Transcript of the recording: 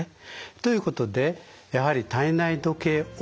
ということでやはり体内時計「を」